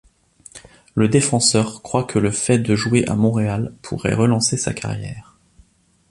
Le défenseur croit que le fait de jouer à Montréal pourrait relancer sa carrière.